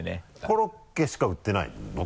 コロッケしか売ってないの？